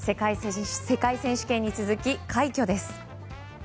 世界選手権に続き快挙です。